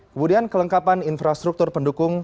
kemudian kelengkapan infrastruktur pendukung